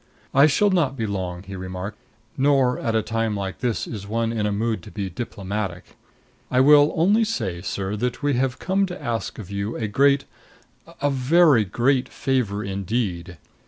"I shall not be long," he remarked. "Nor at a time like this is one in the mood to be diplomatic. I will only say, sir, that we have come to ask of you a great a very great favor indeed.